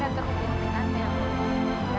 jangan hilang ada